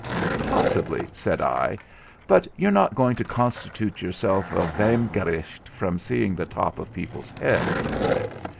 'Possibly,' said I; 'but you're not going to constitute yourself a vehmgericht from seeing the top of people's heads.'